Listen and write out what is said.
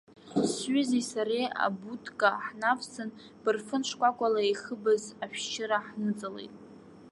Сҩызеи сареи абудка ҳнавсын, бырфын шкәакәала ихыбыз ашәшьыра ҳныҵалеит.